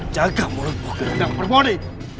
jaga mulutmu gendam permodi